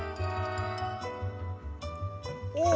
おっ！